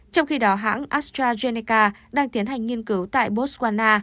trong khi đó hãng astrazeneca đang tiến hành nghiên cứu tại botswana